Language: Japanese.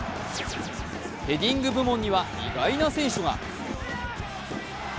ヘディング部門には意外な選手が。